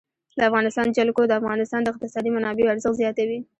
د افغانستان جلکو د افغانستان د اقتصادي منابعو ارزښت زیاتوي.